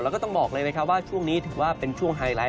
แล้วก็ต้องบอกเลยนะครับว่าช่วงนี้ถือว่าเป็นช่วงไฮไลท